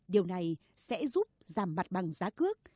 điều này sẽ giúp giảm mặt bằng giá cước